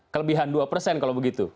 kelebihan dua persen kalau begitu